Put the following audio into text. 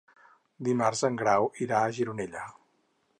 Dimarts en Grau irà a Gironella.